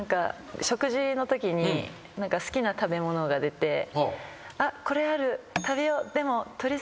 食事のときに好きな食べ物が出てあっこれある。